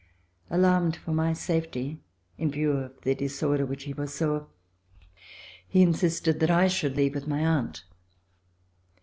Alarmed for my safety, in view of the disorder which he foresaw, he insisted that I should leave with my aunt.